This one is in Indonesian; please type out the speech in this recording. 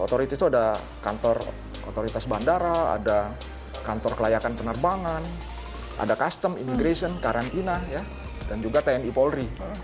authorities itu ada kantor otoritas bandara ada kantor kelayakan penerbangan ada custom imigration karantina dan juga tni polri